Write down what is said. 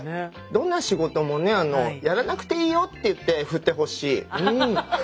どんな仕事もねやらなくていいよって言って振ってほしい。